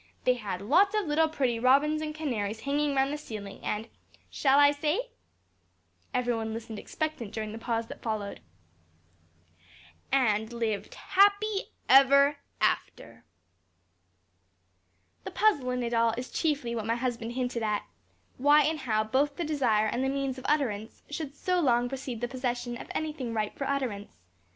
_' They had lots of little pretty robins and canaries hanging round the ceiling, and shall I say?" Every one listened expectant during the pause that followed. "_ And lived happy ever after._" The puzzle in it all is chiefly what my husband hinted at, why and how both the desire and the means of utterance should so long precede the possession of any thing ripe for utterance.